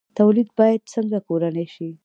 تولید باید څنګه کورنی شي؟